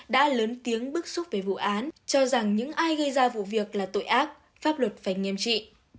đã lớn tiếng bức xúc về vụ án cho rằng những ai gây ra vụ việc là tội ác pháp luật phải nghiêm trị